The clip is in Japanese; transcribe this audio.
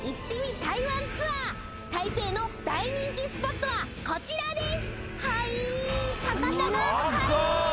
台北の大人気スポットはこちらです。